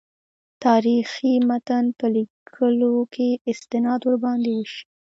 تاریخي متن په لیکلو کې استناد ورباندې وشي.